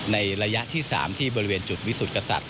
ในระยะที่๓ที่บริเวณจุดวิสุทธิกษัตริย